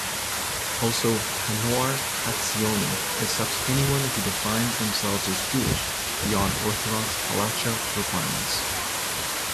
Also Hanoar Hatzioni accepts anyone who defines themselves as Jewish, beyond Orthodox Halacha requirements.